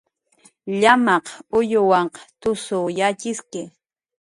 "Llamaq uyuwaq t""usw yatxiski"